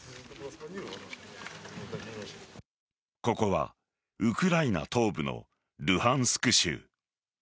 ここはウクライナ東部のルハンスク州。